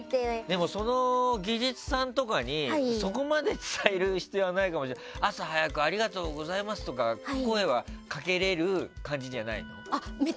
でも、その技術さんとかにそこまで伝える必要はないと思うけど朝早くありがとうございますとか声はかけれる感じじゃないの？